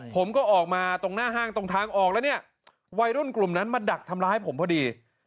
ผมก็ออกมาตรงหน้าห้างตรงทางออกแล้วเนี่ยวัยรุ่นกลุ่มนั้นมาดักทำร้ายผมพอดี